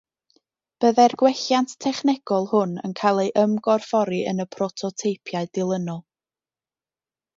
Byddai'r gwelliant technegol hwn yn cael ei ymgorffori yn y prototeipiau dilynol.